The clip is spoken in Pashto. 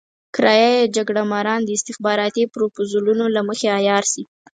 کرايه يي جګړه ماران د استخباراتي پروپوزلونو له مخې عيار شي.